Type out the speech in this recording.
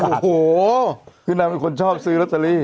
โอ้โหคือนางเป็นคนชอบซื้อลอตเตอรี่